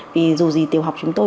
vì dù gì tiểu học chúng tôi